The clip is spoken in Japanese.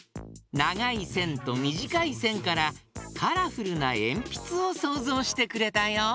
ながいせんとみじかいせんからカラフルなえんぴつをそうぞうしてくれたよ。